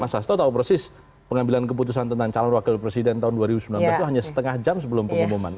mas hasto tahu persis pengambilan keputusan tentang calon wakil presiden tahun dua ribu sembilan belas itu hanya setengah jam sebelum pengumuman